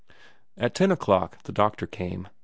At ten o'clock the doctor came.